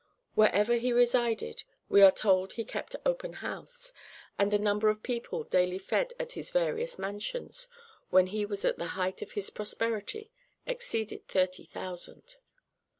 Wherever he resided, we are told he kept open house, and the number of people daily fed at his various mansions, when he was at the height of his prosperity, exceeded thirty thousand.